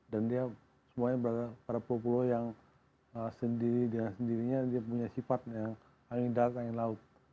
dan dia semuanya berada pada pulau pulau yang dia sendiri dia sendiri nya dia punya sifat yang angin daerah angin laut